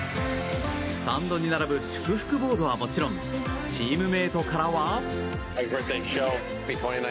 スタンドに並ぶ祝福ボードはもちろんチームメートからは。